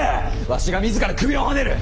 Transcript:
わしが自ら首をはねる！